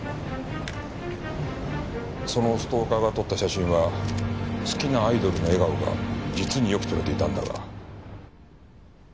そのストーカーが撮った写真は好きなアイドルの笑顔が実によく撮れていたんだが。